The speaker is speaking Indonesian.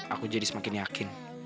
aku jadi semakin yakin